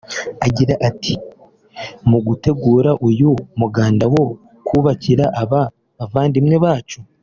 Agira ati “Mu gutegura uyu muganda wo kubakira aba bavandimwe bacu